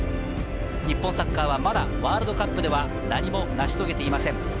日本サッカーはまだワールドカップでは何も成し遂げていません。